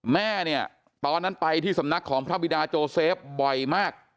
แม่เนี่ยตอนนั้นไปที่สำนักของพระบิดาโจเซฟบ่อยมาก